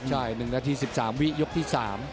ใช่๑นาที๑๓วิยกที่๓